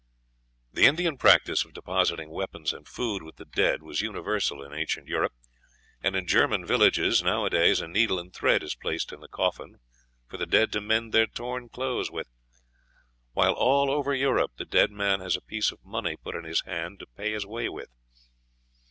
The Indian practice of depositing weapons and food with the dead was universal in ancient Europe, and in German villages nowadays a needle and thread is placed in the coffin for the dead to mend their torn clothes with; "while all over Europe the dead man had a piece of money put in his hand to pay his way with."